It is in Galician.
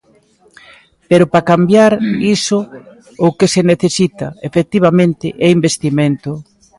Pero para cambiar iso o que se necesita, efectivamente, é investimento.